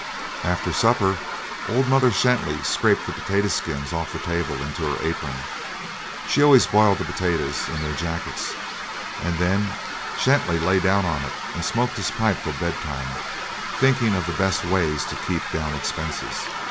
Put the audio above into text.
After supper old Mother Shenty scraped the potato skins off the table into her apron she always boiled the potatoes in their jackets and then Shenty lay down on it and smoked his pipe till bedtime, thinking of the best way to keep down expenses.